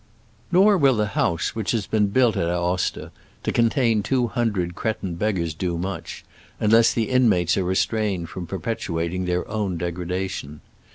Nor will the house which has been built at Aosta to contain two hundred cretin, beggars do much, unless the in mates are restrained from perpetuating their own degradation.